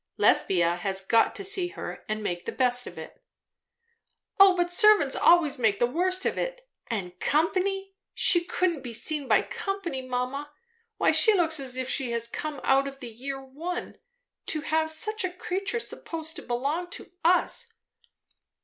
"Lesbia has got to see her and make the best of it." "O but servants always make the worst of it. And company she couldn't be seen by company, mamma. Why she looks as if she had come out of the year one. To have such a creature supposed to belong to us!"